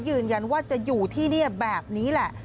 ยืนยันว่าจะอยู่ที่นี่แบบนี้แหละ